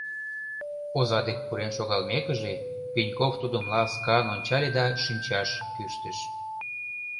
Оза дек пурен шогалмекыже, Пеньков тудым ласкан ончале да шинчаш кӱштыш.